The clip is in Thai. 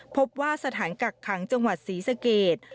พบว่าสถานกักขังจังหวัดศรีสเกต